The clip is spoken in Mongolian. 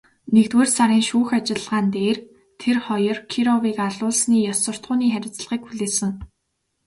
Нэгдүгээр сарын шүүх ажиллагаан дээр тэр хоёр Кировыг алуулсны ёс суртахууны хариуцлагыг хүлээсэн.